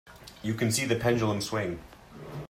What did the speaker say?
You can see the pendulum swing.